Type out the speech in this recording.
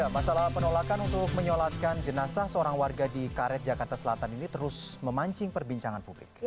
masalah penolakan untuk menyolatkan jenazah seorang warga di karet jakarta selatan ini terus memancing perbincangan publik